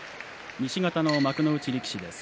西方の幕内力士です。